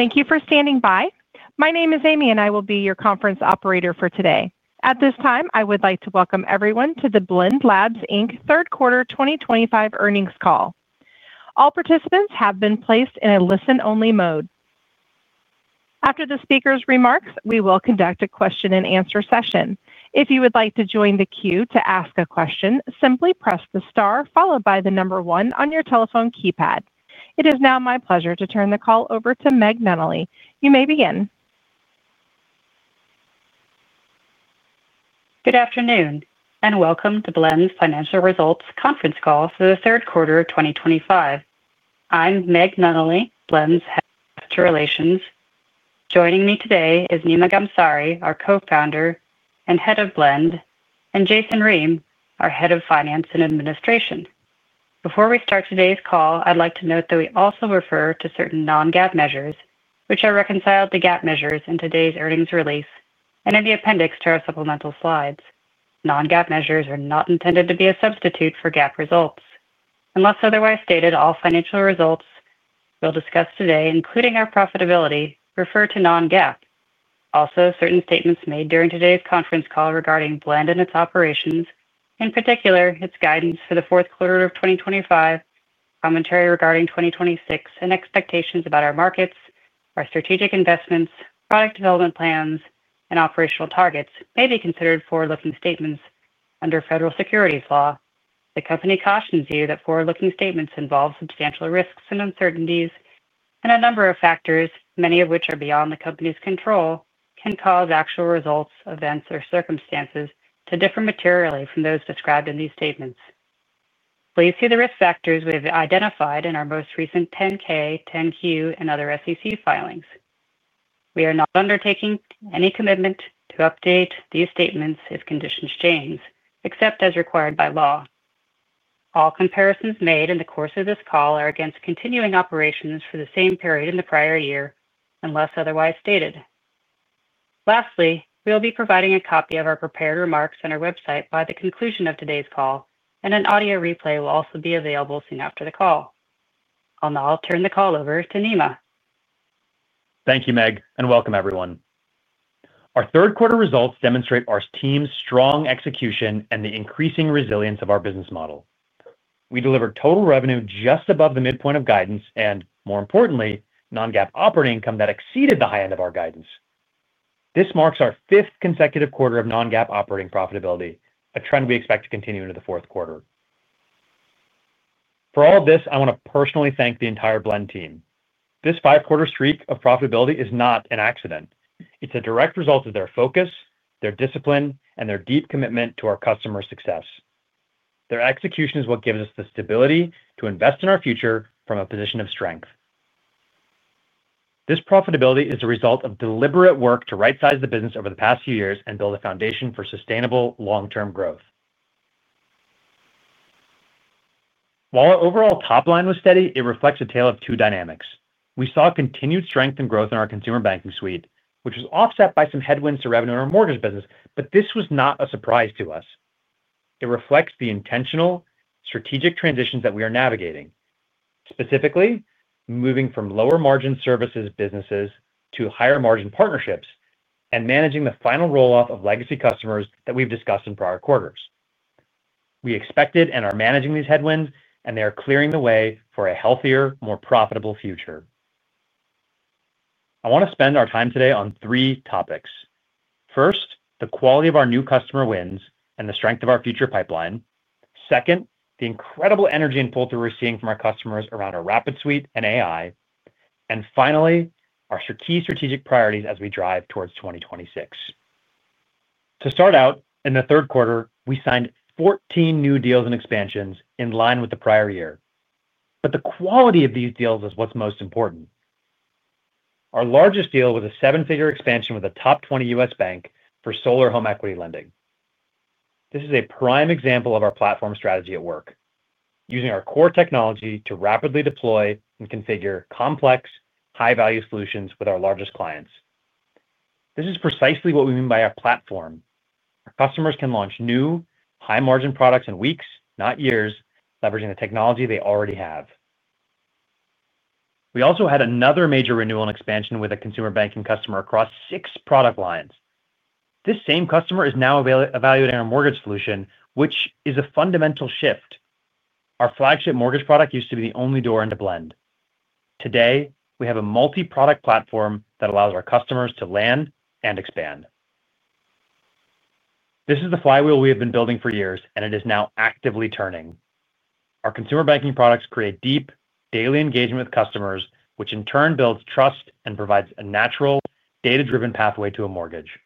Thank you for standing by. My name is Amy, and I will be your conference operator for today. At this time, I would like to welcome everyone to the Blend Labs third quarter 2025 earnings call. All participants have been placed in a listen-only mode. After the speaker's remarks, we will conduct a question-and-answer session. If you would like to join the queue to ask a question, simply press the star followed by the number one on your telephone keypad. It is now my pleasure to turn the call over to Meg Nunnally. You may begin. Good afternoon and welcome to Blend's financial results conference call for the third quarter of 2025. I'm Meg Nunnally, Blend's head of investor relations. Joining me today is Nima Ghamsari, our co-founder and head of product, and Jason Ream, our head of finance and administration. Before we start today's call, I'd like to note that we also refer to certain non-GAAP measures, which are reconciled to GAAP measures in today's earnings release and in the appendix to our supplemental slides. Non-GAAP measures are not intended to be a substitute for GAAP results. Unless otherwise stated, all financial results we'll discuss today, including our profitability, refer to non-GAAP. Also, certain statements made during today's conference call regarding Blend and its operations, in particular its guidance for the fourth quarter of 2025, commentary regarding 2026, and expectations about our markets, our strategic investments, product development plans, and operational targets may be considered forward-looking statements under federal securities law. The company cautions you that forward-looking statements involve substantial risks and uncertainties, and a number of factors, many of which are beyond the company's control, can cause actual results, events, or circumstances to differ materially from those described in these statements. Please see the risk factors we have identified in our most recent 10-K, 10-Q, and other SEC filings. We are not undertaking any commitment to update these statements if conditions change, except as required by law. All comparisons made in the course of this call are against continuing operations for the same period in the prior year unless otherwise stated. Lastly, we will be providing a copy of our prepared remarks on our website by the conclusion of today's call, and an audio replay will also be available soon after the call. I'll now turn the call over to Nima. Thank you, Meg, and welcome everyone. Our third quarter results demonstrate our team's strong execution and the increasing resilience of our business model. We delivered total revenue just above the midpoint of guidance and, more importantly, non-GAAP operating income that exceeded the high end of our guidance. This marks our fifth consecutive quarter of non-GAAP operating profitability, a trend we expect to continue into the fourth quarter. For all of this, I want to personally thank the entire Blend team. This five-quarter streak of profitability is not an accident. It's a direct result of their focus, their discipline, and their deep commitment to our customer success. Their execution is what gives us the stability to invest in our future from a position of strength. This profitability is the result of deliberate work to right-size the business over the past few years and build a foundation for sustainable long-term growth. While our overall top line was steady, it reflects a tale of two dynamics. We saw continued strength and growth in our Consumer Banking Suite, which was offset by some headwinds to revenue in our mortgage business, but this was not a surprise to us. It reflects the intentional strategic transitions that we are navigating, specifically moving from lower-margin services businesses to higher-margin partnerships and managing the final rollout of legacy customers that we've discussed in prior quarters. We expected and are managing these headwinds, and they are clearing the way for a healthier, more profitable future. I want to spend our time today on three topics. First, the quality of our new customer wins and the strength of our future pipeline. Second, the incredible energy and pull that we're seeing from our customers around our Rapid suite and AI. And finally, our key strategic priorities as we drive towards 2026. To start out, in the third quarter, we signed 14 new deals and expansions in line with the prior year. The quality of these deals is what's most important. Our largest deal was a seven-figure expansion with a top 20 U.S. bank for solar home equity lending. This is a prime example of our platform strategy at work, using our core technology to rapidly deploy and configure complex, high-value solutions with our largest clients. This is precisely what we mean by our platform. Our customers can launch new high-margin products in weeks, not years, leveraging the technology they already have. We also had another major renewal and expansion with a consumer banking customer across six product lines. This same customer is now evaluating our mortgage solution, which is a fundamental shift. Our flagship mortgage product used to be the only door into Blend. Today, we have a multi-product platform that allows our customers to land and expand. This is the flywheel we have been building for years, and it is now actively turning. Our consumer banking products create deep, daily engagement with customers, which in turn builds trust and provides a natural, data-driven pathway to a mortgage.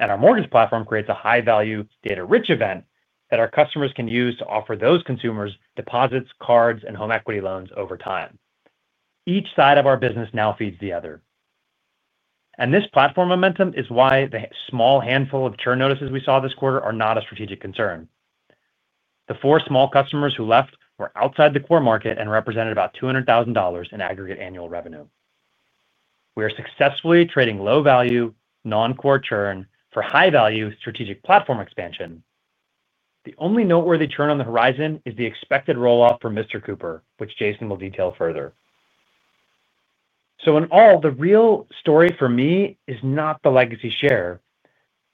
Our mortgage platform creates a high-value, data-rich event that our customers can use to offer those consumers deposits, cards, and home equity loans over time. Each side of our business now feeds the other. This platform momentum is why the small handful of churn notices we saw this quarter are not a strategic concern. The four small customers who left were outside the core market and represented about $200,000 in aggregate annual revenue. We are successfully trading low-value, non-core churn for high-value strategic platform expansion. The only noteworthy churn on the horizon is the expected rollout for Mr. Cooper, which Jason will detail further. In all, the real story for me is not the legacy share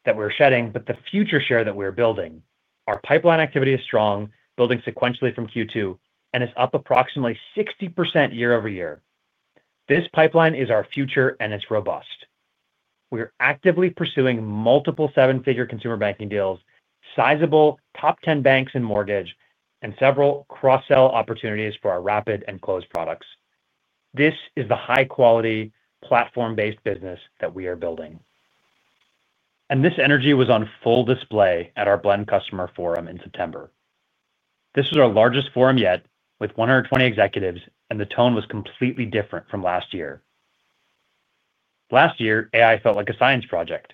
that we're shedding, but the future share that we're building. Our pipeline activity is strong, building sequentially from Q2, and is up approximately 60% year-over-year. This pipeline is our future, and it's robust. We're actively pursuing multiple seven-figure consumer banking deals, sizable top 10 banks in mortgage, and several cross-sell opportunities for our Rapid and Close products. This is the high-quality, platform-based business that we are building. This energy was on full display at our Blend customer forum in September. This was our largest forum yet, with 120 executives, and the tone was completely different from last year. Last year, AI felt like a science project.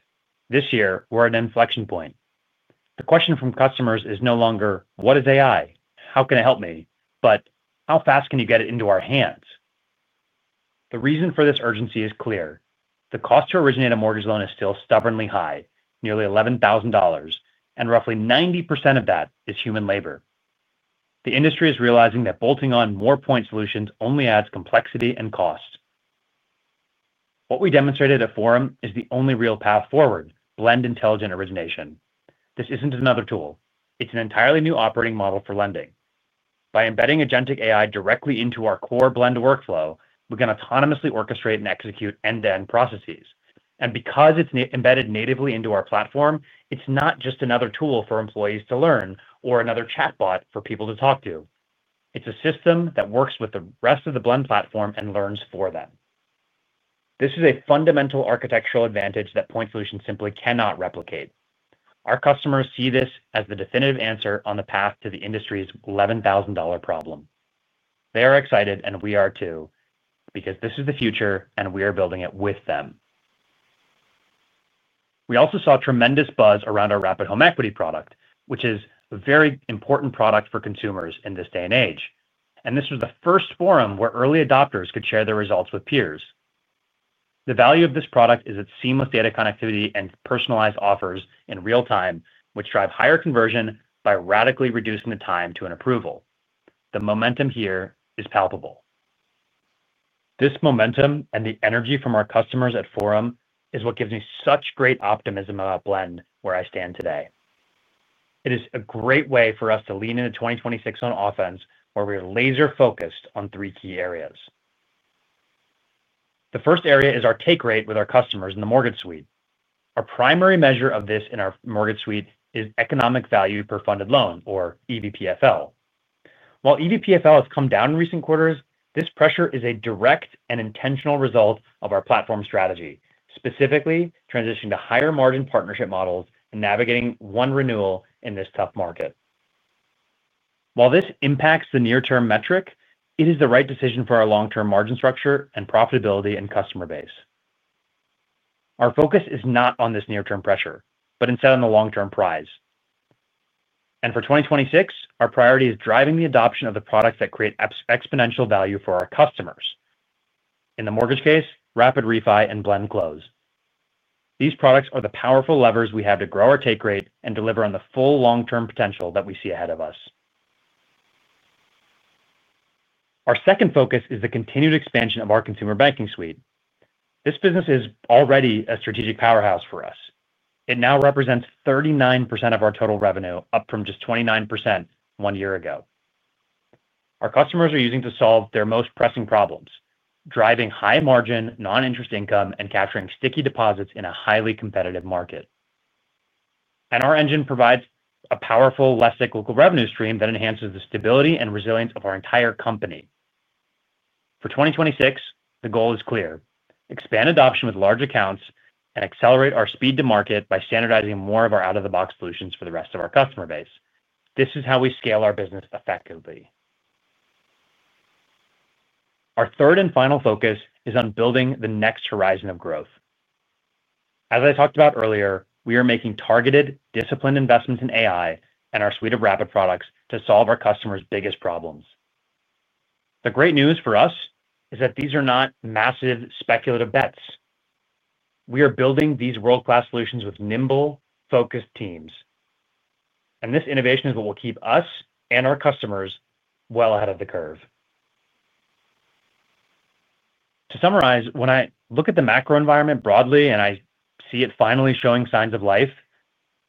This year, we're at an inflection point. The question from customers is no longer, "What is AI? How can it help me?" but, "How fast can you get it into our hands?" The reason for this urgency is clear. The cost to originate a mortgage loan is still stubbornly high, nearly $11,000, and roughly 90% of that is human labor. The industry is realizing that bolting on more point solutions only adds complexity and cost. What we demonstrated at Forum is the only real path forward: Blend Intelligent Origination. This isn't another tool. It's an entirely new operating model for lending. By embedding agentic AI directly into our core Blend workflow, we can autonomously orchestrate and execute end-to-end processes. Because it's embedded natively into our platform, it's not just another tool for employees to learn or another chatbot for people to talk to. It's a system that works with the rest of the Blend Platform and learns for them. This is a fundamental architectural advantage that point solutions simply cannot replicate. Our customers see this as the definitive answer on the path to the industry's $11,000 problem. They are excited, and we are too, because this is the future, and we are building it with them. We also saw tremendous buzz around our Rapid Home Equity product, which is a very important product for consumers in this day and age. This was the first forum where early adopters could share their results with peers. The value of this product is its seamless data connectivity and personalized offers in real time, which drive higher conversion by radically reducing the time to an approval. The momentum here is palpable. This momentum and the energy from our customers at Forum is what gives me such great optimism about Blend where I stand today. It is a great way for us to lean into 2026 on offense, where we are laser-focused on three key areas. The first area is our take rate with our customers in the Mortgage Suite. Our primary measure of this in our Mortgage Suite is economic value per funded loan, or EVPFL. While EVPFL has come down in recent quarters, this pressure is a direct and intentional result of our platform strategy, specifically transitioning to higher-margin partnership models and navigating one renewal in this tough market. While this impacts the near-term metric, it is the right decision for our long-term margin structure and profitability and customer base. Our focus is not on this near-term pressure, but instead on the long-term prize. For 2026, our priority is driving the adoption of the products that create exponential value for our customers. In the mortgage case, Rapid Refi and Blend Close. These products are the powerful levers we have to grow our take rate and deliver on the full long-term potential that we see ahead of us. Our second focus is the continued expansion of our Consumer Banking Suite. This business is already a strategic powerhouse for us. It now represents 39% of our total revenue, up from just 29% one year ago. Our customers are using it to solve their most pressing problems, driving high-margin, non-interest income and capturing sticky deposits in a highly competitive market. Our engine provides a powerful, less cyclical revenue stream that enhances the stability and resilience of our entire company. For 2026, the goal is clear: expand adoption with large accounts and accelerate our speed to market by standardizing more of our out-of-the-box solutions for the rest of our customer base. This is how we scale our business effectively. Our third and final focus is on building the next horizon of growth. As I talked about earlier, we are making targeted, disciplined investments in AI and our suite of Rapid products to solve our customers' biggest problems. The great news for us is that these are not massive, speculative bets. We are building these world-class solutions with nimble, focused teams. This innovation is what will keep us and our customers well ahead of the curve. To summarize, when I look at the macro environment broadly and I see it finally showing signs of life,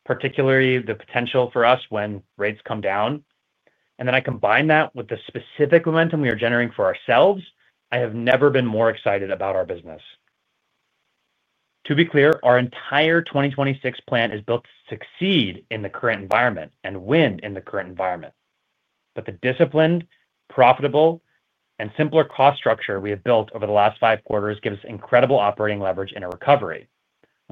particularly the potential for us when rates come down. I combine that with the specific momentum we are generating for ourselves. I have never been more excited about our business. To be clear, our entire 2026 plan is built to succeed in the current environment and win in the current environment. The disciplined, profitable, and simpler cost structure we have built over the last five quarters gives us incredible operating leverage in a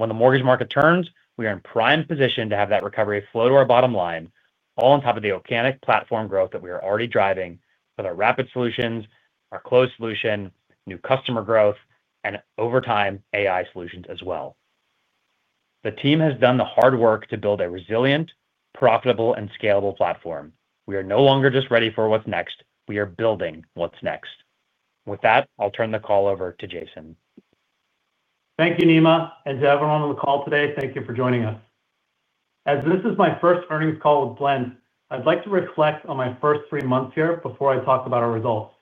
recovery. When the mortgage market turns, we are in prime position to have that recovery flow to our bottom line, all on top of the organic platform growth that we are already driving with our Rapid solutions, our Close solution, new customer growth, and over time, AI solutions as well. The team has done the hard work to build a resilient, profitable, and scalable platform. We are no longer just ready for what's next. We are building what's next. With that, I'll turn the call over to Jason. Thank you, Nima. To everyone on the call today, thank you for joining us. As this is my first earnings call with Blend, I'd like to reflect on my first three months here before I talk about our results.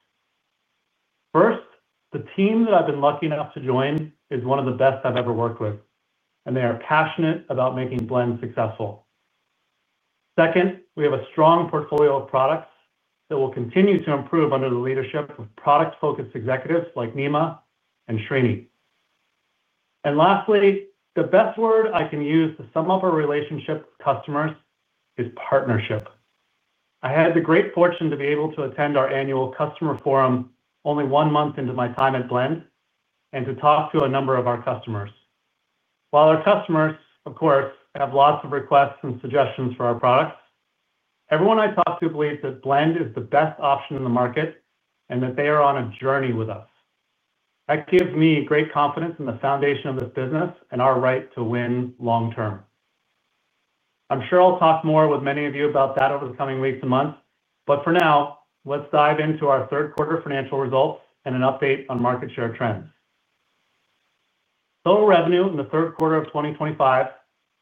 First, the team that I've been lucky enough to join is one of the best I've ever worked with, and they are passionate about making Blend successful. Second, we have a strong portfolio of products that will continue to improve under the leadership of product-focused executives like Nima and Srini. Lastly, the best word I can use to sum up our relationship with customers is partnership. I had the great fortune to be able to attend our annual customer forum only one month into my time at Blend and to talk to a number of our customers. While our customers, of course, have lots of requests and suggestions for our products, everyone I talked to believes that Blend is the best option in the market and that they are on a journey with us. That gives me great confidence in the foundation of this business and our right to win long term. I'm sure I'll talk more with many of you about that over the coming weeks and months, but for now, let's dive into our third quarter financial results and an update on market share trends. Total revenue in the third quarter of 2025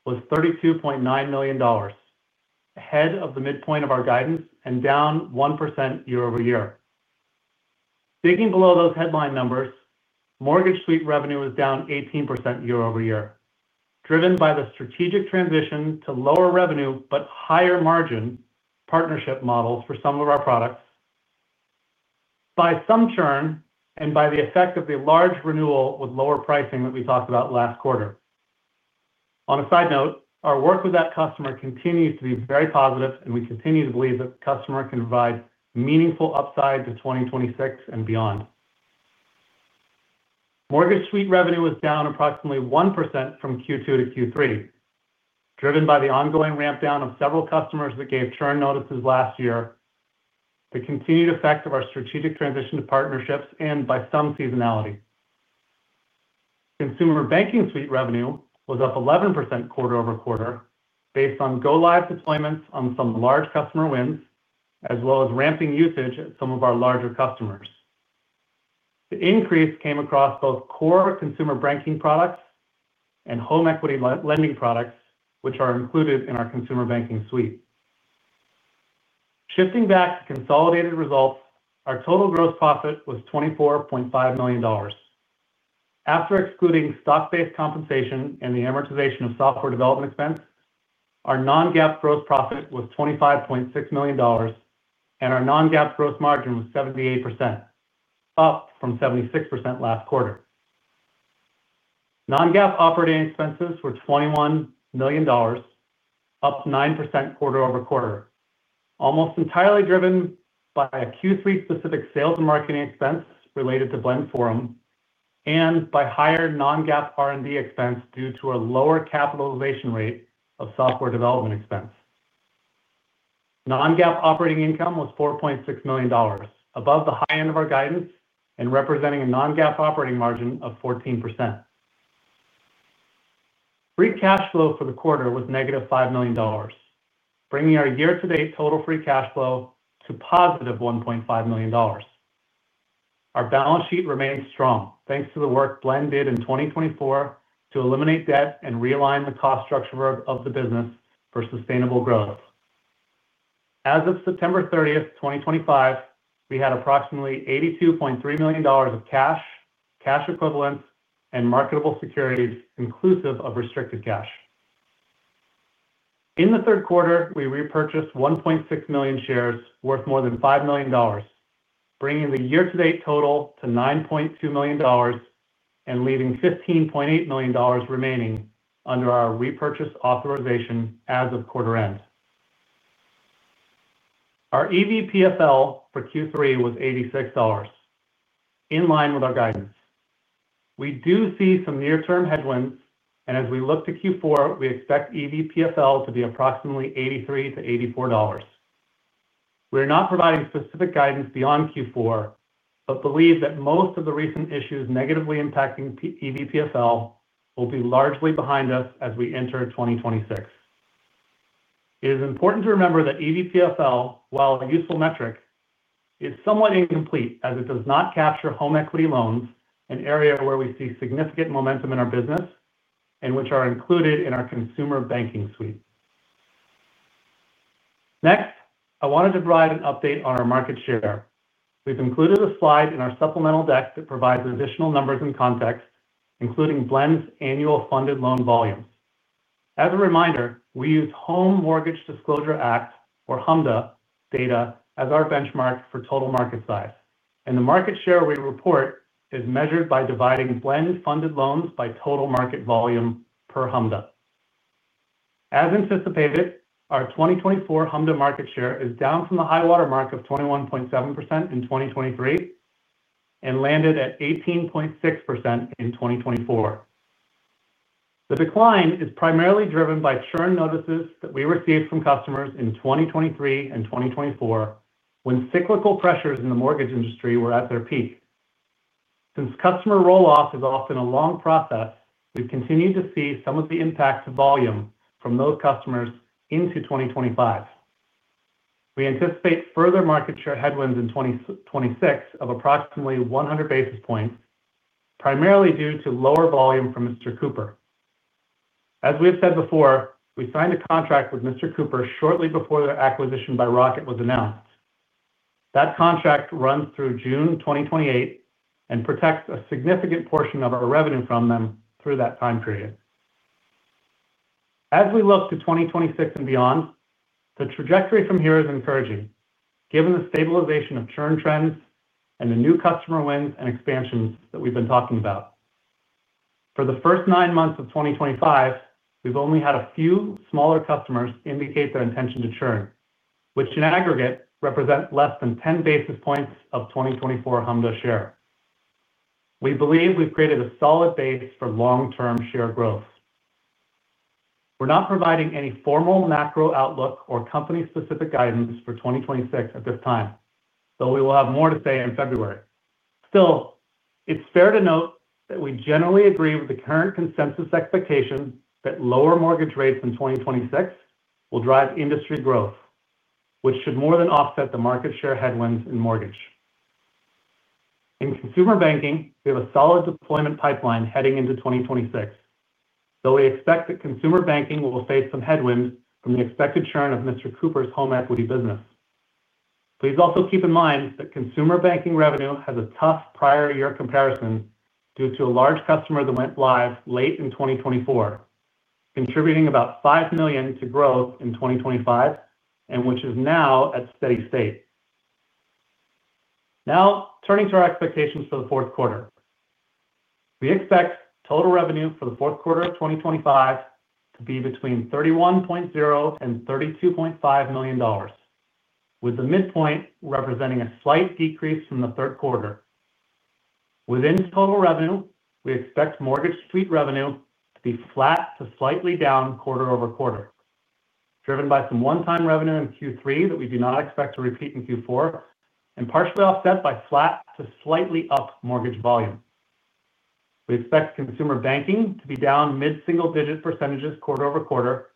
was $32.9 million, ahead of the midpoint of our guidance and down 1% year-over-year. Digging below those headline numbers, Mortgage Suite revenue was down 18% year-over-year, driven by the strategic transition to lower revenue but higher margin partnership models for some of our products. By some churn, and by the effect of the large renewal with lower pricing that we talked about last quarter. On a side note, our work with that customer continues to be very positive, and we continue to believe that the customer can provide meaningful upside to 2026 and beyond. Mortgage Suite revenue was down approximately 1% from Q2-Q3. Driven by the ongoing rampdown of several customers that gave churn notices last year, the continued effect of our strategic transition to partnerships and by some seasonality. Consumer Banking Suite revenue was up 11% quarter-over-quarter based on go-live deployments on some large customer wins, as well as ramping usage at some of our larger customers. The increase came across both core Consumer Banking Products and home equity lending products, which are included in our Consumer Banking Suite. Shifting back to consolidated results, our total gross profit was $24.5 million. After excluding stock-based compensation and the amortization of software development expense, our non-GAAP gross profit was $25.6 million, and our non-GAAP gross margin was 78%, up from 76% last quarter. Non-GAAP operating expenses were $21 million, up 9% quarter-over-quarter, almost entirely driven by a Q3 specific sales and marketing expense related to Blend Forum and by higher non-GAAP R&D expense due to a lower capitalization rate of software development expense. Non-GAAP operating income was $4.6 million, above the high end of our guidance and representing a non-GAAP operating margin of 14%. Free cash flow for the quarter was negative $5 million, bringing our year-to-date total free cash flow to positive $1.5 million. Our balance sheet remained strong thanks to the work Blend did in 2024 to eliminate debt and realign the cost structure of the business for sustainable growth. As of September 30, 2025, we had approximately $82.3 million of cash, cash equivalents, and marketable securities, inclusive of restricted cash. In the third quarter, we repurchased 1.6 million shares worth more than $5 million, bringing the year-to-date total to $9.2 million, and leaving $15.8 million remaining under our repurchase authorization as of quarter end. Our EVPFL for Q3 was $86, in line with our guidance. We do see some near-term headwinds, and as we look to Q4, we expect EVPFL to be approximately $83-$84. We are not providing specific guidance beyond Q4, but believe that most of the recent issues negatively impacting EVPFL will be largely behind us as we enter 2026. It is important to remember that EVPFL, while a useful metric, is somewhat incomplete as it does not capture home equity loans, an area where we see significant momentum in our business and which are included in our Consumer Banking Suite. Next, I wanted to provide an update on our market share. We've included a slide in our supplemental deck that provides additional numbers and context, including Blend's annual funded loan volumes. As a reminder, we use Home Mortgage Disclosure Act, or HMDA, data as our benchmark for total market size. The market share we report is measured by dividing Blend funded loans by total market volume per HMDA. As anticipated, our 2024 HMDA market share is down from the high watermark of 21.7% in 2023. It landed at 18.6% in 2024. The decline is primarily driven by churn notices that we received from customers in 2023 and 2024 when cyclical pressures in the mortgage industry were at their peak. Since customer rolloff is often a long process, we've continued to see some of the impact to volume from those customers into 2025. We anticipate further market share headwinds in 2026 of approximately 100 basis points, primarily due to lower volume from Mr. Cooper. As we have said before, we signed a contract with Mr. Cooper shortly before the acquisition by Rocket was announced. That contract runs through June 2028 and protects a significant portion of our revenue from them through that time period. As we look to 2026 and beyond, the trajectory from here is encouraging, given the stabilization of churn trends and the new customer wins and expansions that we've been talking about. For the first nine months of 2025, we've only had a few smaller customers indicate their intention to churn, which in aggregate represents less than 10 basis points of 2024 HMDA share. We believe we've created a solid base for long-term share growth. We're not providing any formal macro outlook or company-specific guidance for 2026 at this time, though we will have more to say in February. Still, it's fair to note that we generally agree with the current consensus expectation that lower mortgage rates in 2026 will drive industry growth, which should more than offset the market share headwinds in mortgage. In consumer banking, we have a solid deployment pipeline heading into 2026. Though we expect that consumer banking will face some headwinds from the expected churn of Mr. Cooper's home equity business. Please also keep in mind that consumer banking revenue has a tough prior year comparison due to a large customer that went live late in 2024, contributing about $5 million to growth in 2025 and which is now at steady state. Now, turning to our expectations for the fourth quarter. We expect total revenue for the fourth quarter of 2025 to be between $31.0 million and $32.5 million, with the midpoint representing a slight decrease from the third quarter. Within total revenue, we expect Mortgage Suite revenue to be flat to slightly down quarter-over-quarter, driven by some one-time revenue in Q3 that we do not expect to repeat in Q4, and partially offset by flat to slightly up mortgage volume. We expect consumer banking to be down mid-single digit % quarter-over-quarter,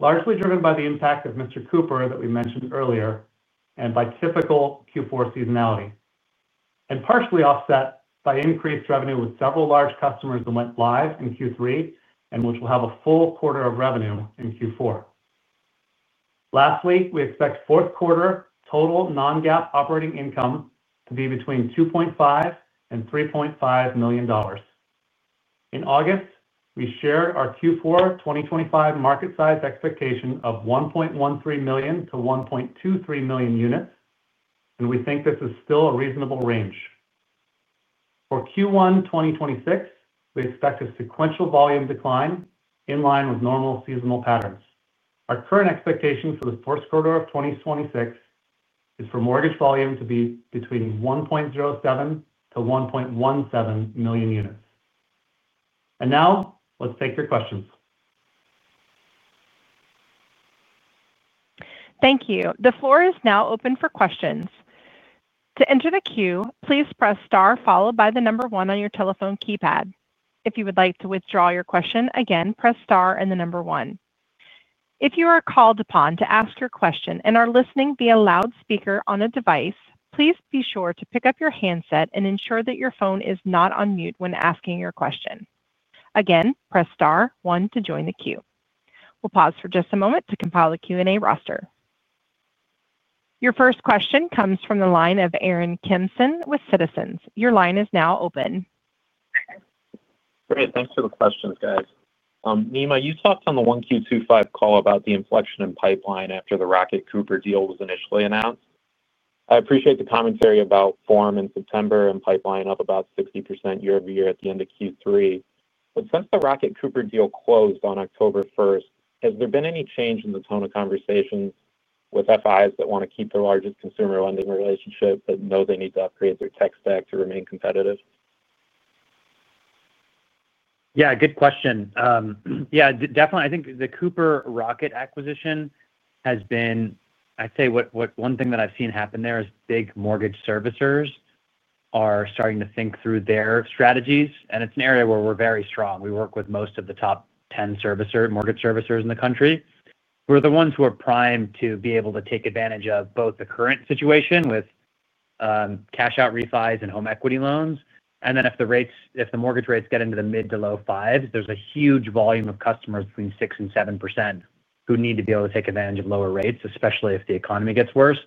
largely driven by the impact of Mr. Cooper that we mentioned earlier and by typical Q4 seasonality, and partially offset by increased revenue with several large customers that went live in Q3 and which will have a full quarter of revenue in Q4. Lastly, we expect fourth quarter total non-GAAP operating income to be between $2.5-$3.5 million. In August, we shared our Q4 2025 market size expectation of 1.13-1.23 million units, and we think this is still a reasonable range. For Q1 2026, we expect a sequential volume decline in line with normal seasonal patterns. Our current expectation for the fourth quarter of 2026 is for mortgage volume to be between 1.07-1.17 million units. Now, let's take your questions. Thank you. The floor is now open for questions. To enter the queue, please press star followed by the number one on your telephone keypad. If you would like to withdraw your question, again, press star and the number one. If you are called upon to ask your question and are listening via loudspeaker on a device, please be sure to pick up your handset and ensure that your phone is not on mute when asking your question. Again, press star one to join the queue. We'll pause for just a moment to compile the Q&A roster. Your first question comes from the line of Aaron Kimson with Citizens. Your line is now open. Great. Thanks for the questions, guys. Nima, you talked on the 1Q25 call about the inflection in pipeline after the Rocket-Cooper deal was initially announced. I appreciate the commentary about form in September and pipeline up about 60% year-over-year at the end of Q3. Since the Rocket-Cooper deal closed on October 1, has there been any change in the tone of conversations with FIs that want to keep their largest consumer lending relationship but know they need to upgrade their tech stack to remain competitive? Yeah, good question. Yeah, definitely. I think the Cooper-Rocket acquisition has been, I'd say, one thing that I've seen happen there is big mortgage servicers are starting to think through their strategies, and it's an area where we're very strong. We work with most of the top 10 mortgage servicers in the country. We're the ones who are primed to be able to take advantage of both the current situation with cash-out refis and home equity loans. If the mortgage rates get into the mid to low fives, there's a huge volume of customers between 6% and 7% who need to be able to take advantage of lower rates, especially if the economy gets worse.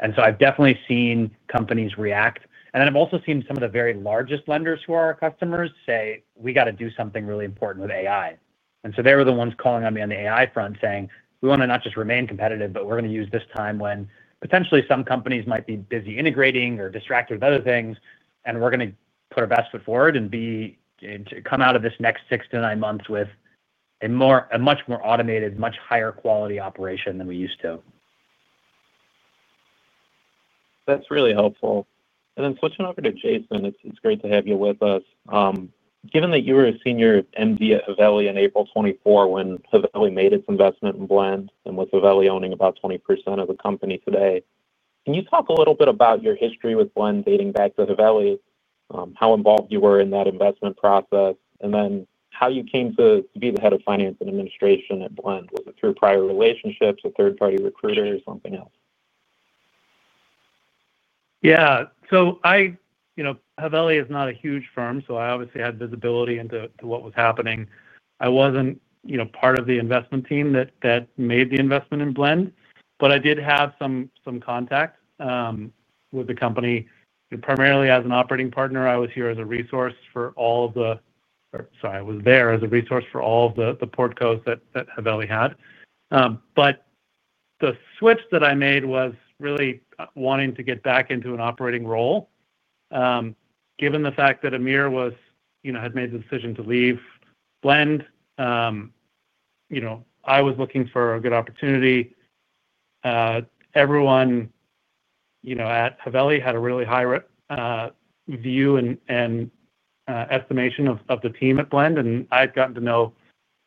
I've definitely seen companies react. I've also seen some of the very largest lenders who are our customers say, "We got to do something really important with AI." They were the ones calling on me on the AI front, saying, "We want to not just remain competitive, but we're going to use this time when potentially some companies might be busy integrating or distracted with other things, and we're going to put our best foot forward and come out of this next six to nine months with a much more automated, much higher quality operation than we used to. That's really helpful. Then switching over to Jason, it's great to have you with us. Given that you were a senior MD at Haveli in April 2024 when Haveli made its investment in Blend, and with Haveli owning about 20% of the company today, can you talk a little bit about your history with Blend dating back to Haveli, how involved you were in that investment process, and then how you came to be the head of finance and administration at Blend? Was it through prior relationships, a third-party recruiter, or something else? Yeah. Haveli is not a huge firm, so I obviously had visibility into what was happening. I wasn't part of the investment team that made the investment in Blend, but I did have some contact with the company. Primarily as an operating partner, I was there as a resource for all of the portcos that Haveli had. The switch that I made was really wanting to get back into an operating role. Given the fact that Amir had made the decision to leave Blend, I was looking for a good opportunity. Everyone at Haveli had a really high view and estimation of the team at Blend, and I'd gotten to know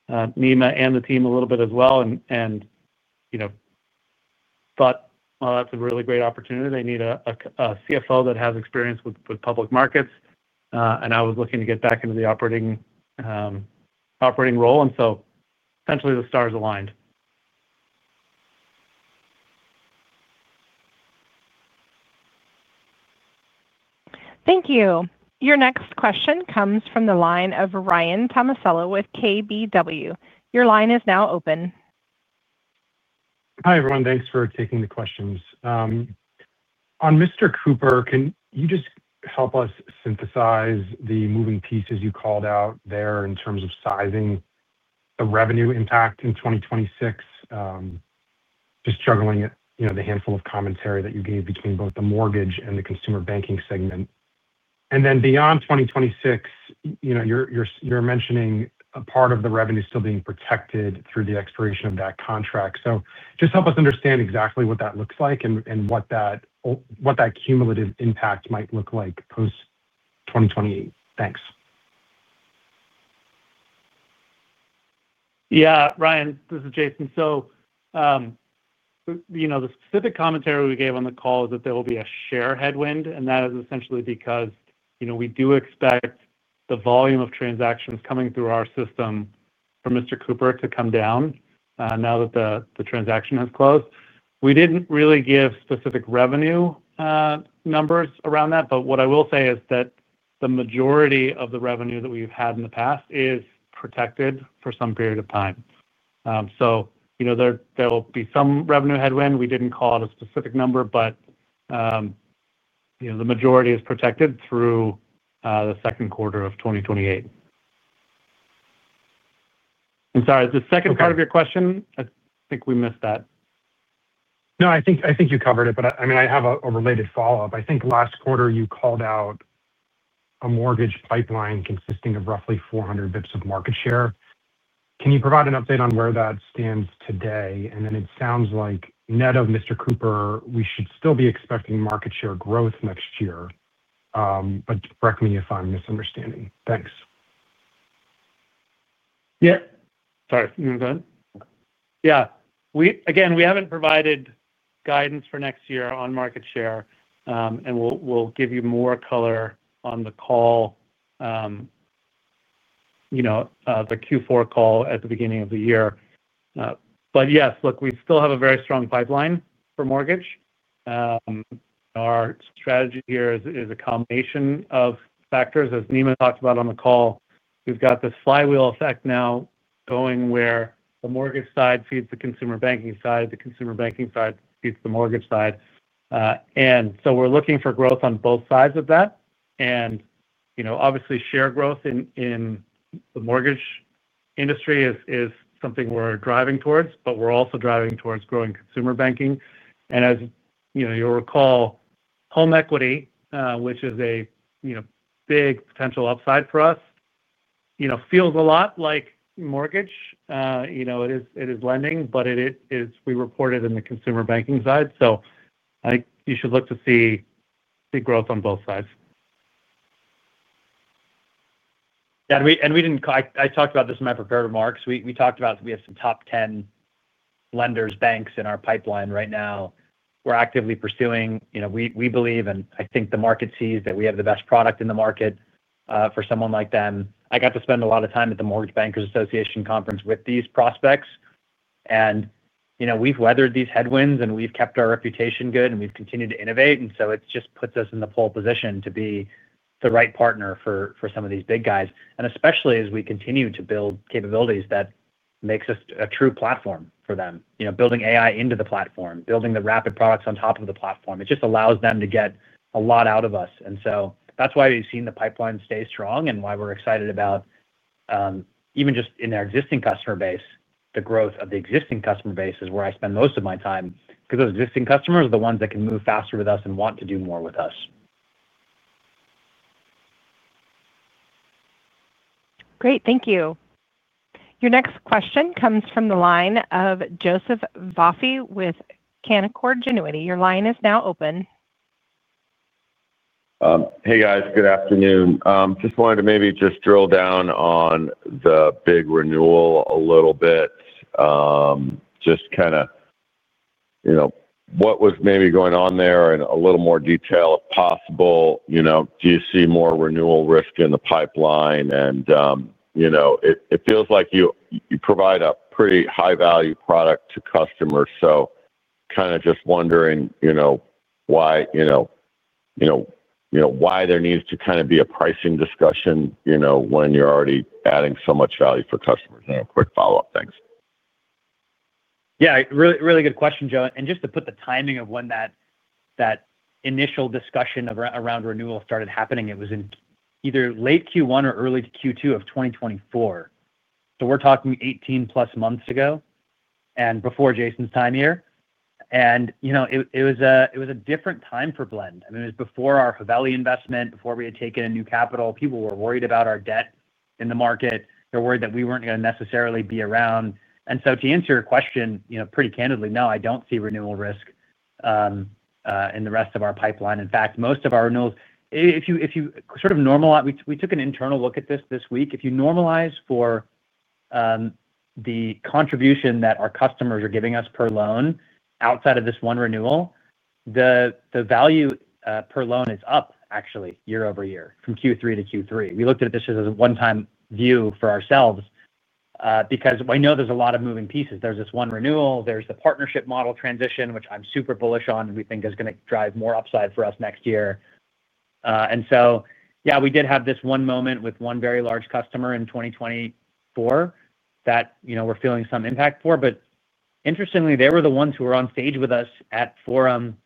Nima and the team a little bit as well and thought, "That's a really great opportunity. They need a CFO that has experience with public markets". I was looking to get back into the operating role. Essentially, the stars aligned. Thank you. Your next question comes from the line of Ryan Tomasello with KBW. Your line is now open. Hi, everyone. Thanks for taking the questions. On Mr. Cooper, can you just help us synthesize the moving pieces you called out there in terms of sizing the revenue impact in 2026? Just juggling the handful of commentary that you gave between both the mortgage and the consumer banking segment. Then beyond 2026, you're mentioning a part of the revenue still being protected through the expiration of that contract. Just help us understand exactly what that looks like and what that cumulative impact might look like post-2028. Thanks. Yeah. Ryan, this is Jason. The specific commentary we gave on the call is that there will be a share headwind, and that is essentially because we do expect the volume of transactions coming through our system for Mr. Cooper to come down. Now that the transaction has closed. We did not really give specific revenue numbers around that, but what I will say is that the majority of the revenue that we have had in the past is protected for some period of time. There will be some revenue headwind. We did not call it a specific number, but the majority is protected through the second quarter of 2028. I'm sorry, the second part of your question, I think we missed that. No, I think you covered it, but I mean, I have a related follow-up. I think last quarter you called out a mortgage pipeline consisting of roughly 400 basis points of market share. Can you provide an update on where that stands today? It sounds like net of Mr. Cooper, we should still be expecting market share growth next year. Correct me if I'm misunderstanding. Thanks. Yeah. Sorry, you want to go ahead? Yeah. Again, we haven't provided guidance for next year on market share, and we'll give you more color on the call. The Q4 call at the beginning of the year. Yes, look, we still have a very strong pipeline for mortgage. Our strategy here is a combination of factors. As Nima talked about on the call, we've got this flywheel effect now going where the mortgage side feeds the consumer banking side, the consumer banking side feeds the mortgage side. We are looking for growth on both sides of that. Obviously, share growth in the mortgage industry is something we're driving towards, but we're also driving towards growing consumer banking. As you'll recall, home equity, which is a big potential upside for us, feels a lot like mortgage. It is lending, but we report it in the consumer banking side. You should look to see the growth on both sides. Yeah. I talked about this in my prepared remarks. We talked about we have some top 10 lenders, banks in our pipeline right now. We're actively pursuing. We believe, and I think the market sees that we have the best product in the market for someone like them. I got to spend a lot of time at the Mortgage Bankers Association conference with these prospects. We've weathered these headwinds, and we've kept our reputation good, and we've continued to innovate. It just puts us in the pole position to be the right partner for some of these big guys, especially as we continue to build capabilities that makes us a true platform for them. Building AI into the platform, building the Rapid products on top of the platform. It just allows them to get a lot out of us. That is why we've seen the pipeline stay strong and why we're excited about. Even just in our existing customer base, the growth of the existing customer base is where I spend most of my time. Because those existing customers are the ones that can move faster with us and want to do more with us. Great. Thank you. Your next question comes from the line of Joseph Vafi with Canaccord Genuity. Your line is now open. Hey, guys. Good afternoon. Just wanted to maybe just drill down on the big renewal a little bit. Just kind of what was maybe going on there in a little more detail, if possible. Do you see more renewal risk in the pipeline? It feels like you provide a pretty high-value product to customers. Just kind of wondering why there needs to kind of be a pricing discussion when you're already adding so much value for customers. And a quick follow-up, thanks. Yeah. Really good question, Joe. Just to put the timing of when that initial discussion around renewal started happening, it was in either late Q1 or early Q2 of 2024. We're talking 18-plus months ago and before Jason's time here. It was a different time for Blend. I mean, it was before our Haveli investment, before we had taken new capital. People were worried about our debt in the market. They're worried that we weren't going to necessarily be around. To answer your question, pretty candidly, no, I don't see renewal risk in the rest of our pipeline. In fact, most of our renewals, if you sort of normalize, we took an internal look at this this week. If you normalize for the contribution that our customers are giving us per loan outside of this one renewal. The value per loan is up, actually, year-over-year, from Q3-Q3. We looked at this as a one-time view for ourselves. Because I know there's a lot of moving pieces. There's this one renewal. There's the partnership model transition, which I'm super bullish on, and we think is going to drive more upside for us next year. Yeah, we did have this one moment with one very large customer in 2024 that we're feeling some impact for. Interestingly, they were the ones who were on stage with us at Forum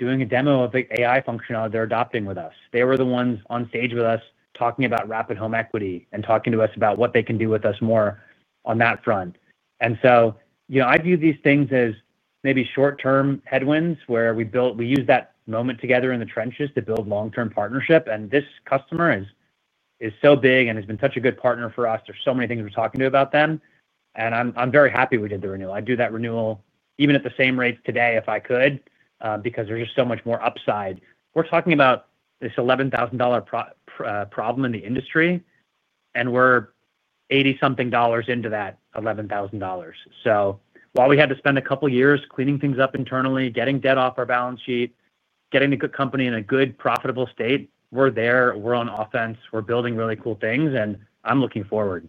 doing a demo of the AI functionality they're adopting with us. They were the ones on stage with us talking about Rapid Home Equity and talking to us about what they can do with us more on that front. I view these things as maybe short-term headwinds where we used that moment together in the trenches to build long-term partnership. This customer is so big and has been such a good partner for us. There are so many things we're talking to about them. I'm very happy we did the renewal. I'd do that renewal even at the same rates today if I could because there's just so much more upside. We're talking about this $11,000 problem in the industry, and we're 80-something dollars into that $11,000. While we had to spend a couple of years cleaning things up internally, getting debt off our balance sheet, getting the company in a good, profitable state, we're there. We're on offense. We're building really cool things, and I'm looking forward.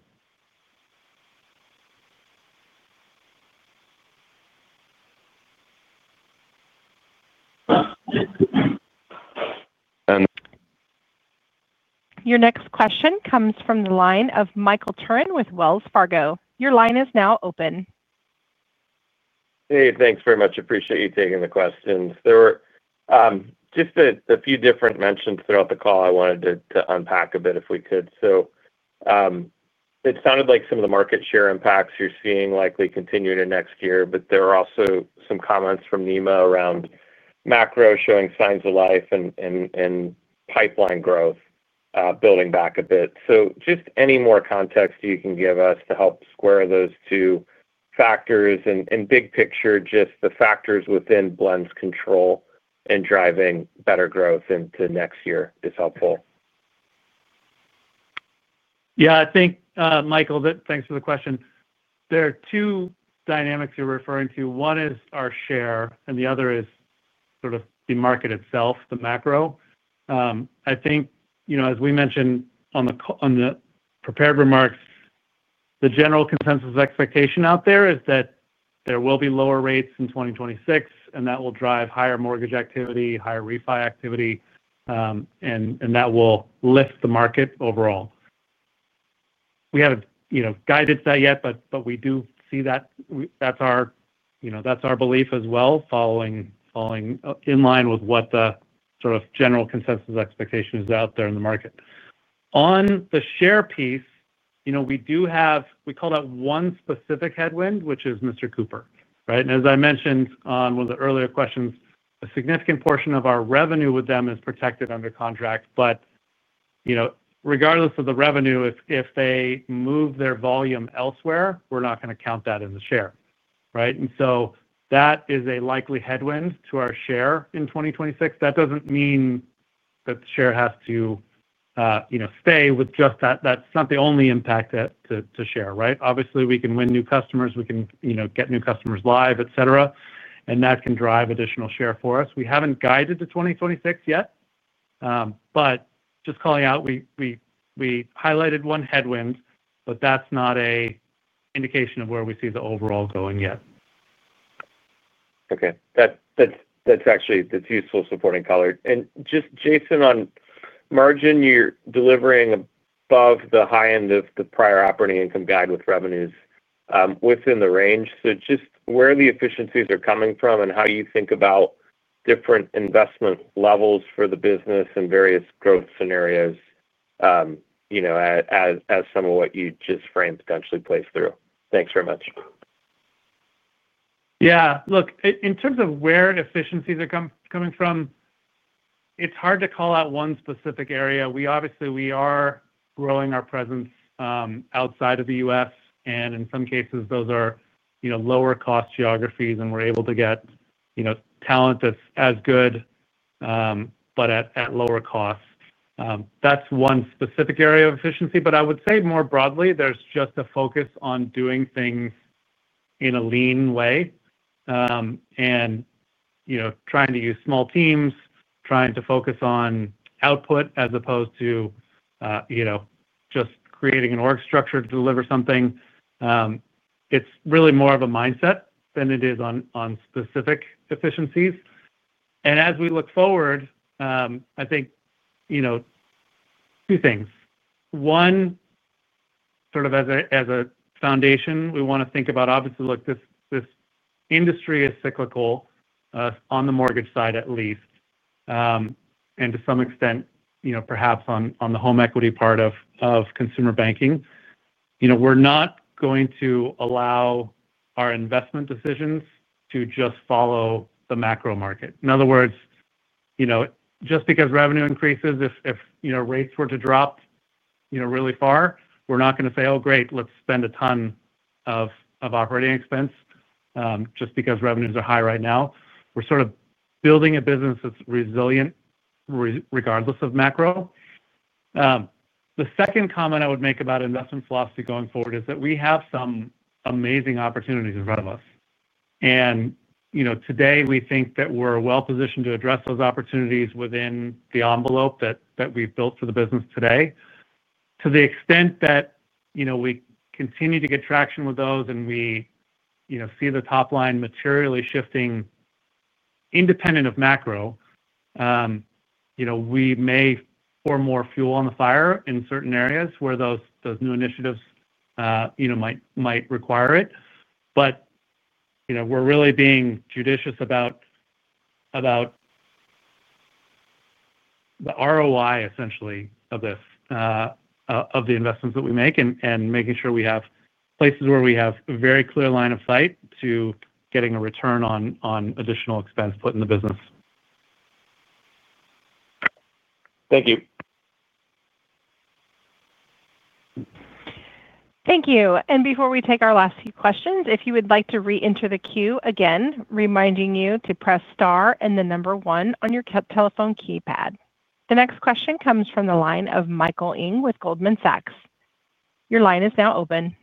Your next question comes from the line of Michael Turrin with Wells Fargo. Your line is now open. Hey, thanks very much. Appreciate you taking the questions. There were just a few different mentions throughout the call I wanted to unpack a bit if we could. It sounded like some of the market share impacts you're seeing likely continue into next year, but there were also some comments from Nima around macro showing signs of life and pipeline growth building back a bit. Just any more context you can give us to help square those two factors and, big picture, just the factors within Blend's control and driving better growth into next year is helpful. Yeah. I think, Michael, thanks for the question. There are two dynamics you're referring to. One is our share, and the other is sort of the market itself, the macro. I think, as we mentioned on the prepared remarks, the general consensus expectation out there is that there will be lower rates in 2026, and that will drive higher mortgage activity, higher refi activity. That will lift the market overall. We haven't guided that yet, but we do see that. That's our belief as well, following in line with what the sort of general consensus expectation is out there in the market. On the share piece, we do have—we call that one specific headwind, which is Mr. Cooper, right? As I mentioned on one of the earlier questions, a significant portion of our revenue with them is protected under contract. But. Regardless of the revenue, if they move their volume elsewhere, we're not going to count that as a share, right? That is a likely headwind to our share in 2026. That doesn't mean that the share has to stay with just that. That's not the only impact to share, right? Obviously, we can win new customers. We can get new customers live, etc., and that can drive additional share for us. We haven't guided to 2026 yet. Just calling out, we highlighted one headwind, but that's not an indication of where we see the overall going yet. Okay. That's actually a useful supporting color. And just, Jason, on margin, you're delivering above the high end of the prior operating income guide with revenues within the range. So just where the efficiencies are coming from and how you think about different investment levels for the business and various growth scenarios. As some of what you just framed potentially plays through. Thanks very much. Yeah. Look, in terms of where efficiencies are coming from. It's hard to call out one specific area. Obviously, we are growing our presence outside of the U.S., and in some cases, those are lower-cost geographies, and we're able to get talent that's as good, but at lower cost. That's one specific area of efficiency. I would say more broadly, there's just a focus on doing things in a lean way and trying to use small teams, trying to focus on output as opposed to just creating an org structure to deliver something. It's really more of a mindset than it is on specific efficiencies. As we look forward, I think two things. One, sort of as a foundation, we want to think about, obviously, look, this industry is cyclical, on the mortgage side at least. To some extent, perhaps on the home equity part of consumer banking. We're not going to allow our investment decisions to just follow the macro market. In other words, just because revenue increases, if rates were to drop really far, we're not going to say, "Oh, great, let's spend a ton of operating expense just because revenues are high right now." We're sort of building a business that's resilient, regardless of macro. The second comment I would make about investment philosophy going forward is that we have some amazing opportunities in front of us. Today, we think that we're well-positioned to address those opportunities within the envelope that we've built for the business today. To the extent that we continue to get traction with those and we see the top line materially shifting, independent of macro. We may pour more fuel on the fire in certain areas where those new initiatives might require it. However, we're really being judicious about the ROI, essentially, of this, of the investments that we make, and making sure we have places where we have a very clear line of sight to getting a return on additional expense put in the business. Thank you. Thank you. Before we take our last few questions, if you would like to re-enter the queue again, reminding you to press star and the number one on your telephone keypad. The next question comes from the line of Michael Ng with Goldman Sachs. Your line is now open.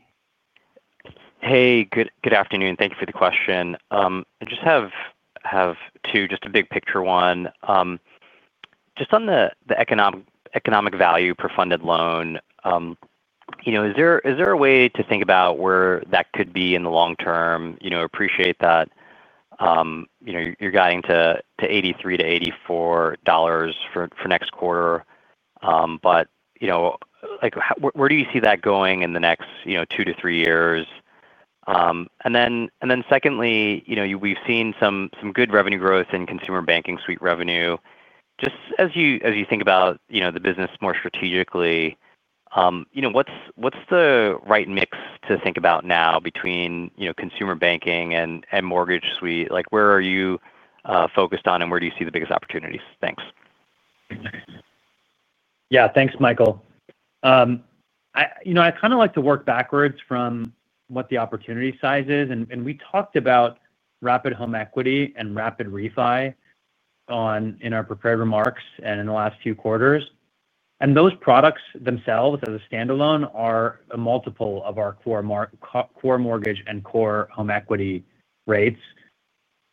Hey, good afternoon. Thank you for the question. I just have two, just a big picture one. Just on the economic value per funded loan. Is there a way to think about where that could be in the long term? Appreciate that you're guiding to $83-$84 for next quarter. Where do you see that going in the next two to three years? Secondly, we've seen some good revenue growth in Consumer Banking Suite revenue. Just as you think about the business more strategically, what's the right mix to think about now between Consumer Banking and Mortgage Suite? Where are you focused on, and where do you see the biggest opportunities? Thanks. Yeah. Thanks, Michael. I kind of like to work backwards from what the opportunity size is. We talked about Rapid Home Equity and Rapid Refi in our prepared remarks and in the last few quarters. Those products themselves as a standalone are a multiple of our core mortgage and core home equity rates.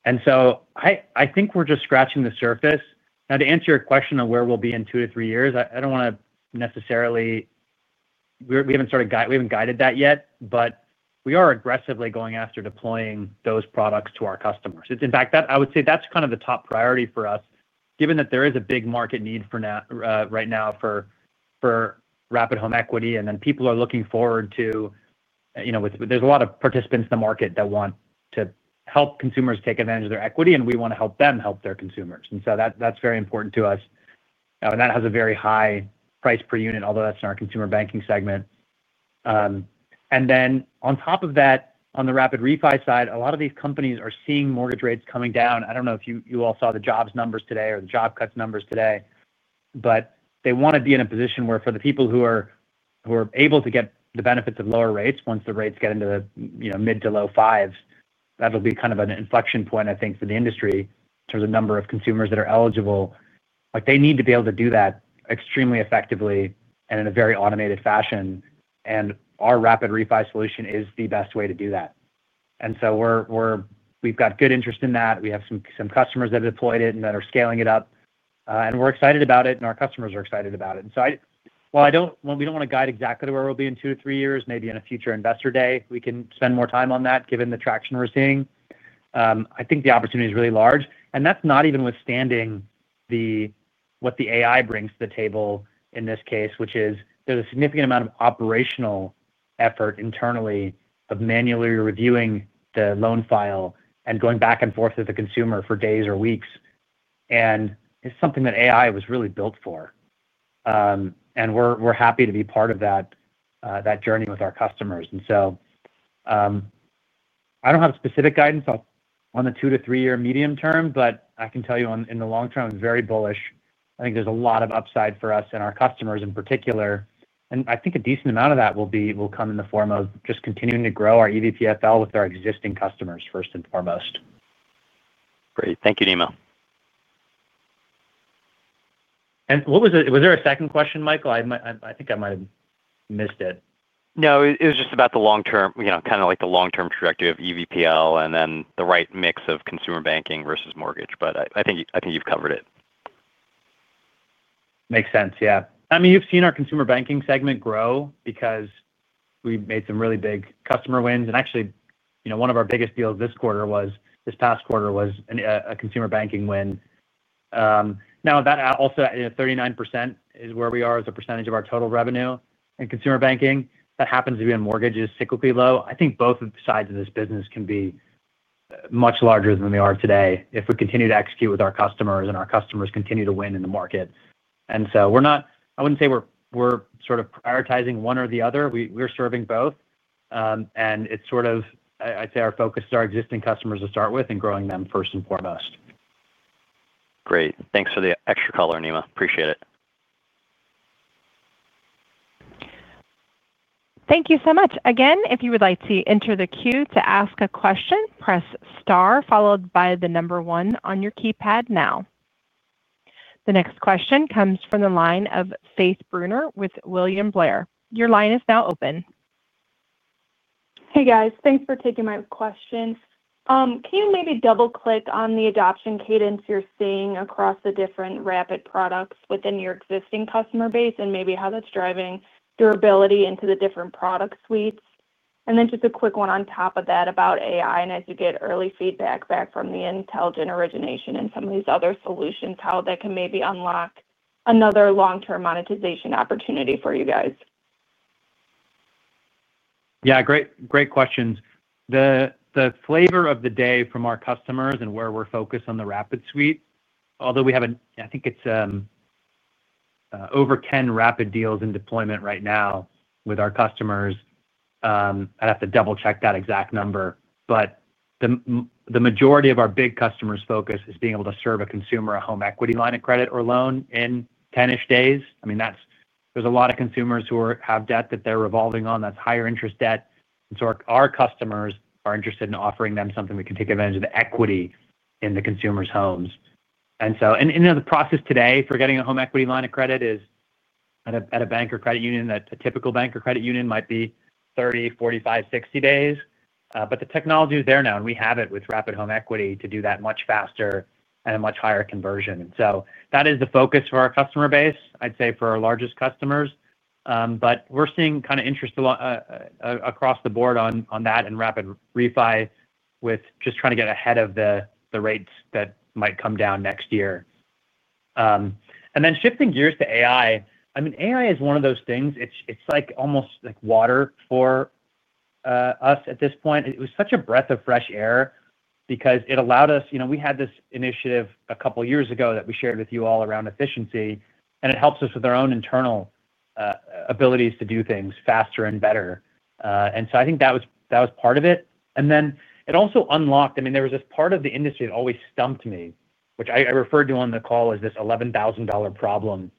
I think we're just scratching the surface. Now, to answer your question on where we'll be in two to three years, I don't want to necessarily. We haven't guided that yet, but we are aggressively going after deploying those products to our customers. In fact, I would say that's kind of the top priority for us, given that there is a big market need right now for Rapid Home Equity. People are looking forward to. are a lot of participants in the market that want to help consumers take advantage of their equity, and we want to help them help their consumers. That is very important to us. That has a very high price per unit, although that is in our consumer banking segment. On top of that, on the Rapid Refi side, a lot of these companies are seeing mortgage rates coming down. I do not know if you all saw the jobs numbers today or the job cuts numbers today, but they want to be in a position where for the people who are able to get the benefits of lower rates once the rates get into the mid to low fives, that will be kind of an inflection point, I think, for the industry in terms of number of consumers that are eligible. They need to be able to do that extremely effectively and in a very automated fashion. Our Rapid Refi solution is the best way to do that. We have good interest in that. We have some customers that have deployed it and that are scaling it up. We are excited about it, and our customers are excited about it. While we do not want to guide exactly where we will be in two to three years, maybe in a future investor day, we can spend more time on that given the traction we are seeing. I think the opportunity is really large. That is not even withstanding what the AI brings to the table in this case, which is there is a significant amount of operational effort internally of manually reviewing the loan file and going back and forth with the consumer for days or weeks. It is something that AI was really built for. We are happy to be part of that journey with our customers. I do not have specific guidance on the two to three-year medium term, but I can tell you in the long term, I am very bullish. I think there is a lot of upside for us and our customers in particular. I think a decent amount of that will come in the form of just continuing to grow our EVPFL with our existing customers first and foremost. Great. Thank you, Nima. Was there a second question, Michael? I think I might have missed it. No, it was just about the long-term, kind of like the long-term trajectory of EVPFL and then the right mix of consumer banking versus mortgage. I think you've covered it. Makes sense. Yeah. I mean, you've seen our consumer banking segment grow because we made some really big customer wins. And actually, one of our biggest deals this past quarter was a consumer banking win. Now, that also at 39% is where we are as a percentage of our total revenue in consumer banking. That happens to be in mortgages cyclically low. I think both sides of this business can be much larger than they are today if we continue to execute with our customers and our customers continue to win in the market. I wouldn't say we're sort of prioritizing one or the other. We're serving both. It's sort of, I'd say, our focus is our existing customers to start with and growing them first and foremost. Great. Thanks for the extra color, Nima. Appreciate it. Thank you so much. Again, if you would like to enter the queue to ask a question, press star followed by the number one on your keypad now. The next question comes from the line of Faith Brunner with William Blair. Your line is now open. Hey, guys. Thanks for taking my question. Can you maybe double-click on the adoption cadence you're seeing across the different Rapid products within your existing customer base and maybe how that's driving durability into the different product suites? Just a quick one on top of that about AI and as you get early feedback back from the Intelligent Origination and some of these other solutions, how that can maybe unlock another long-term monetization opportunity for you guys. Yeah. Great questions. The flavor of the day from our customers and where we're focused on the Rapid suite, although we have an, I think it's over 10 Rapid deals in deployment right now with our customers. I'd have to double-check that exact number. The majority of our big customers' focus is being able to serve a consumer a home equity line of credit or loan in 10-ish days. I mean, there's a lot of consumers who have debt that they're revolving on. That's higher interest debt. Our customers are interested in offering them something we can take advantage of the equity in the consumer's homes. The process today for getting a home equity line of credit is, at a bank or credit union, that a typical bank or credit union might be 30-45-60 days. The technology is there now, and we have it with Rapid Home Equity to do that much faster and at a much higher conversion. That is the focus for our customer base, I'd say, for our largest customers. We're seeing kind of interest across the board on that and Rapid Refi, with just trying to get ahead of the rates that might come down next year. Shifting gears to AI, I mean, AI is one of those things. It's almost like water for us at this point. It was such a breath of fresh air because it allowed us, we had this initiative a couple of years ago that we shared with you all around efficiency, and it helps us with our own internal abilities to do things faster and better. I think that was part of it. It also unlocked, I mean, there was this part of the industry that always stumped me, which I referred to on the call as this $11,000 problem. The $11,000 problem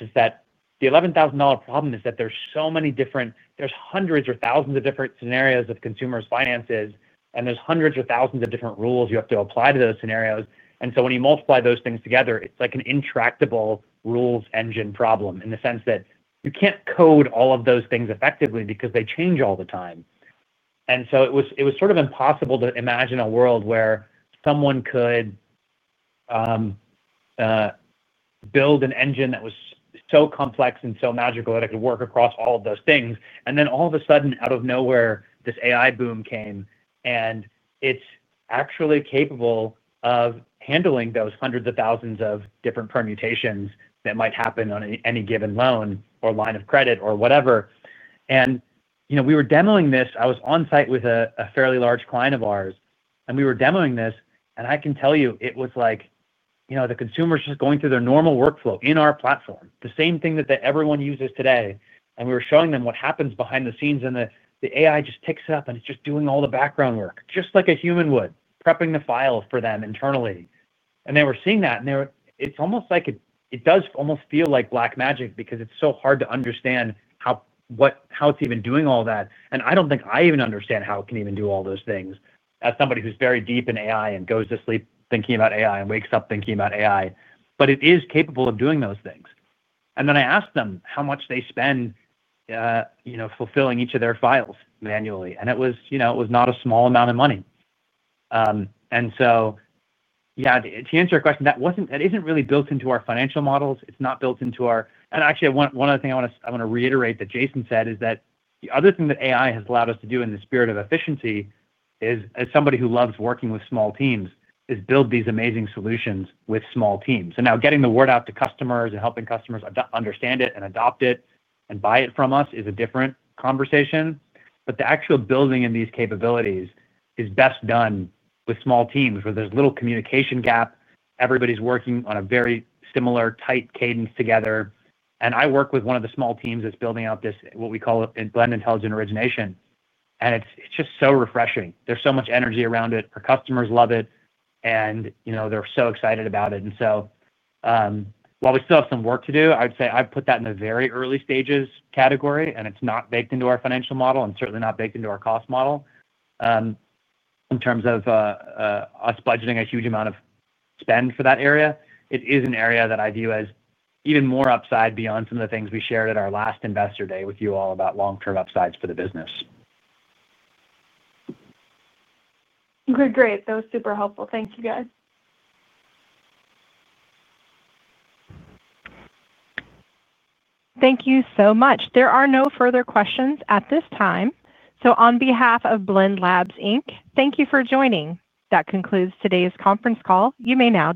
is that there are so many different, there are hundreds or thousands of different scenarios of consumers' finances, and there are hundreds or thousands of different rules you have to apply to those scenarios. When you multiply those things together, it is like an intractable rules engine problem in the sense that you cannot code all of those things effectively because they change all the time. It was sort of impossible to imagine a world where someone could build an engine that was so complex and so magical that it could work across all of those things. All of a sudden, out of nowhere, this AI boom came, and it's actually capable of handling those hundreds of thousands of different permutations that might happen on any given loan or line of credit or whatever. We were demoing this. I was on site with a fairly large client of ours, and we were demoing this. I can tell you it was like, the consumer is just going through their normal workflow in our platform, the same thing that everyone uses today. We were showing them what happens behind the scenes, and the AI just picks it up, and it's just doing all the background work, just like a human would, prepping the file for them internally. They were seeing that. It does almost feel like black magic because it's so hard to understand. How it's even doing all that. I don't think I even understand how it can even do all those things as somebody who's very deep in AI and goes to sleep thinking about AI and wakes up thinking about AI. It is capable of doing those things. I asked them how much they spend fulfilling each of their files manually. It was not a small amount of money. Yeah, to answer your question, that isn't really built into our financial models. It's not built into our—and actually, one other thing I want to reiterate that Jason said is that the other thing that AI has allowed us to do in the spirit of efficiency is, as somebody who loves working with small teams, build these amazing solutions with small teams. Now, getting the word out to customers and helping customers understand it and adopt it and buy it from us is a different conversation. The actual building in these capabilities is best done with small teams where there's little communication gap. Everybody's working on a very similar tight cadence together. I work with one of the small teams that's building out this, what we call it, Blend Intelligent Origination. It's just so refreshing. There's so much energy around it. Our customers love it, and they're so excited about it. While we still have some work to do, I would say I've put that in the very early stages category, and it's not baked into our financial model and certainly not baked into our cost model in terms of. Us budgeting a huge amount of spend for that area, it is an area that I view as even more upside beyond some of the things we shared at our last investor day with you all about long-term upsides for the business. Okay. Great. That was super helpful. Thank you, guys. Thank you so much. There are no further questions at this time. On behalf of Blend Labs, thank you for joining. That concludes today's conference call. You may now.